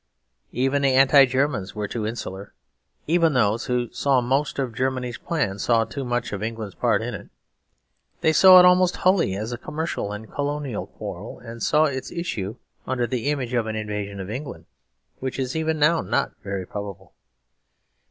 Even the Anti Germans were too insular. Even those who saw most of Germany's plan saw too much of England's part in it. They saw it almost wholly as a commercial and colonial quarrel; and saw its issue under the image of an invasion of England, which is even now not very probable.